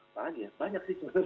banyak sih sebenarnya